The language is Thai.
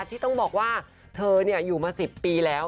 ที่ต้องบอกว่าเธออยู่มา๑๐ปีแล้ว